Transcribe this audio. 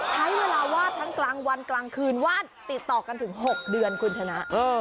ใช้เวลาวาดทั้งกลางวันกลางคืนวาดติดต่อกันถึง๖เดือนคุณชนะ